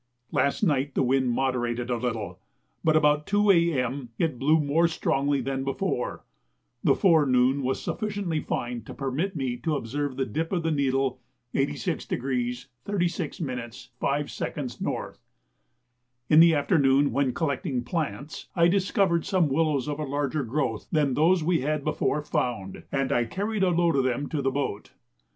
Last night the wind moderated a little, but about 2 A.M. it blew more strongly than before. The forenoon was sufficiently fine to permit me to observe the dip of the needle 86° 36' 5" N. In the afternoon, when collecting plants, I discovered some willows of a larger growth than those we had before found, and I carried a load of them to the boat.